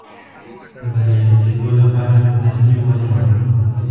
د بریالي کېدو لپاره مې تصمیم ونیو.